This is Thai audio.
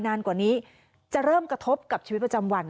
นานกว่านี้จะเริ่มกระทบกับชีวิตประจำวัน